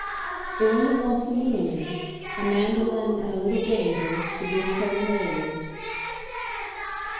"It only wants a moon, a mandolin, and a little danger, to be a serenade."